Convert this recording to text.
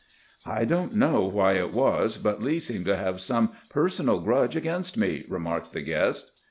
"" I don't know wby it was, but Lee seemed to bave some personal grudge against me," remarked tbe guest.